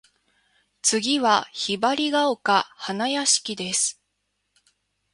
次は雲雀丘花屋敷（ひばりがおかはなやしき）です。